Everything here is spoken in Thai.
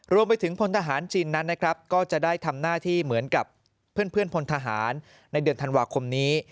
พลทหารจินนั้นนะครับก็จะได้ทำหน้าที่เหมือนกับเพื่อนพลทหารในเดือนธันวาคมนี้